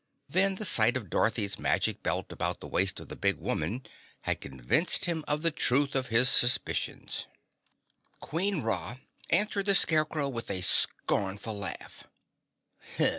Then the sight of Dorothy's Magic Belt about the waist of the big woman had convinced him of the truth of his suspicions. Queen Ra answered the Scarecrow with a scornful laugh.